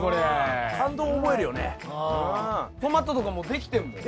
トマトとかもできてるもん。